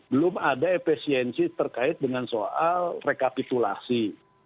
belum ada efisiensi terkait dengan soal rekapitulasi